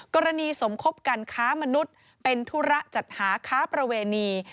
กรณีสมคบกันค้ามนุษย์เป็นธุระจัดหาค้าประเวณี